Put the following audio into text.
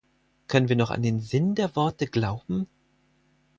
Können wir noch an den Sinn der Worte glauben?